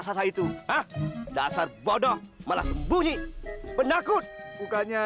sampai jumpa di video selanjutnya